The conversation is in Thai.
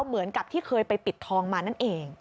เหมือนกับที่เคยไปปิดทองมานั่นเอง